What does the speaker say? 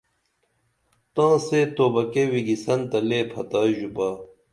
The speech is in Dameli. تاں سے توبکے وِگِسن تہ لے پھتائی ژوپا